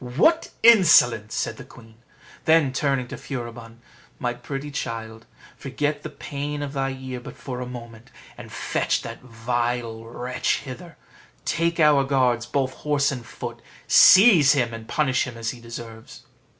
"What insolence!" said the queen: then turning to Furibon, "My pretty child, forget the pain of thy ear but for a moment, and fetch that vile wretch hither; take our guards, both horse and foot, seize him, and punish him as he deserves."